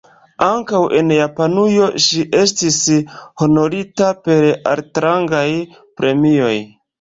Ankaŭ en Japanujo ŝi estis honorita per altrangaj premioj.